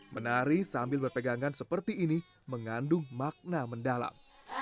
menari sambil berpegangan seperti ini mengandung makna mendalam